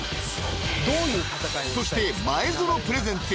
［そして前園プレゼンツ］